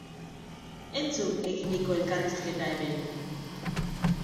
Entzun eginiko elkarrizketa hemen!